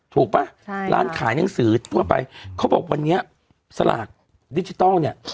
ถูกปะใช่ร้านขายหนังสือทั่วไปเขาบอกวันนี้สลากเนี้ย